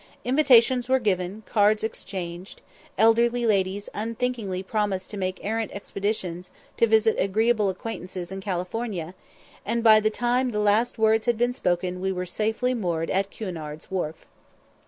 Invitations were given, cards exchanged, elderly ladies unthinkingly promised to make errant expeditions to visit agreeable acquaintances in California, and by the time the last words had been spoken we were safely moored at Cunard's wharf.